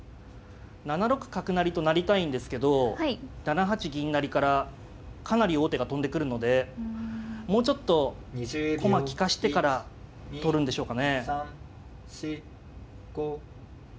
７六角成と成りたいんですけど７八銀成からかなり王手が飛んでくるのでもうちょっと駒利かしてから取るんでしょうかね。